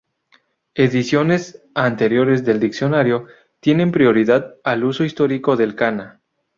Ediciones anteriores del diccionario tienen prioridad al uso histórico del kana.